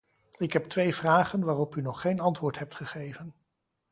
Ik heb twee vragen waarop u nog geen antwoord hebt gegeven.